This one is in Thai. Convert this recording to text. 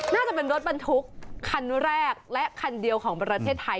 น่าจะเป็นรถบรรทุกคันแรกและคันเดียวของประเทศไทย